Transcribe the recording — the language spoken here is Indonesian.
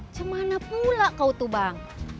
cuman pula kau tuh bang